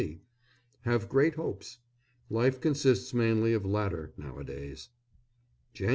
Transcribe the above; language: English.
F.C. Have great hopes. Life consists mainly of latter nowadays. _Jan.